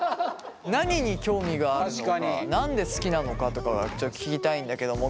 何に興味があるのか何で好きなのかとかが聞きたいんだけども。